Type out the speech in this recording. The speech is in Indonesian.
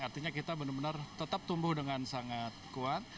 artinya kita benar benar tetap tumbuh dengan sangat kuat